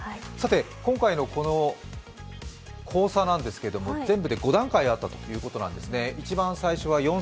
今回の、この考査なんですけど全部で５段階あったということなんです。